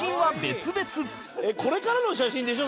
「これからの写真でしょ？